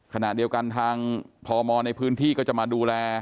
ขณะเดียวกันทางพมในพื้นที่ก็จะมาดูแล